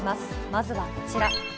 まずはこちら。